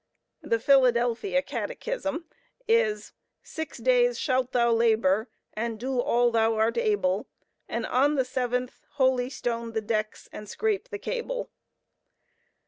The "Philadelphia Catechism" is, "Six days shalt thou labor and do all that thou art able, And on the seventh—holystone the decks and scrape the cable."